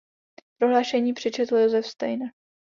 Prohlášení přečetl Josef Steiner.